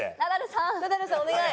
ナダルさんお願い！